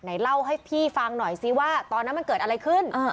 เล่าให้พี่ฟังหน่อยซิว่าตอนนั้นมันเกิดอะไรขึ้น